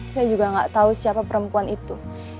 saya juga nggak tahu siapa perempuan itu